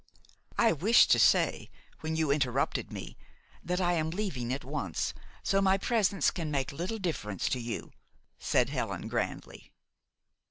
"I wished to say, when you interrupted me, that I am leaving at once, so my presence can make little difference to you," said Helen grandly.